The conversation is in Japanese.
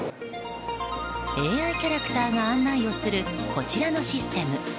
ＡＩキャラクターが案内をするこちらのシステム。